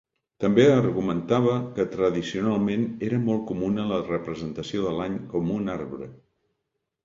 També argumentava que tradicionalment era molt comuna la representació de l'any com un arbre.